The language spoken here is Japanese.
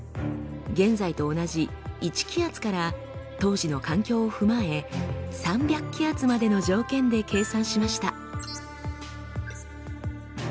現在と同じ１気圧から当時の環境を踏まえ３００気圧までの条件で計算しました。